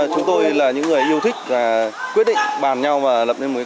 chúng tôi là những người yêu thích và quyết định bàn nhau và lập nên mối công